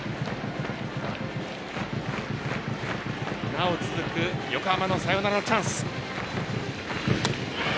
なお続く横浜のサヨナラのチャンス。